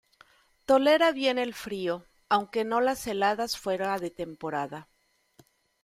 Tolera bien el frío, aunque no las heladas fuera de temporada.